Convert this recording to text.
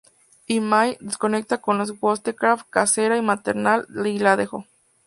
Imlay, descontento con la Wollstonecraft casera y maternal, la dejó.